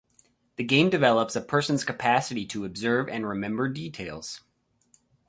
The game develops a person's capacity to observe and remember details.